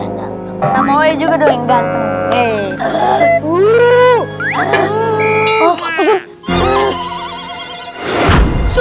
jantung sama wei juga deling gatuh eh ha lu